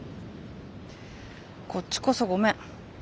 こっちこそごめん。